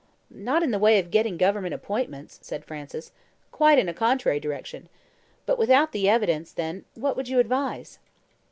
"Not in the way of getting government appointments," said Francis "quite in a contrary direction. But without the evidence, then, what would you advise?"